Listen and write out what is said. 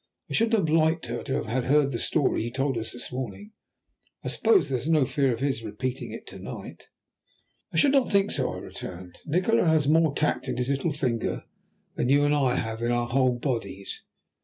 I shouldn't have liked her to have heard that story he told us this morning. I suppose there is no fear of his repeating it to night?" "I should not think so," I returned. "Nikola has more tact in his little finger than you and I have in our whole bodies.